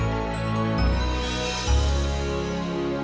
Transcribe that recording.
saya ingin melihat dia bahagia